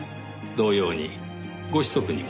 同様にご子息にも。